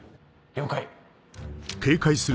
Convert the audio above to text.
了解。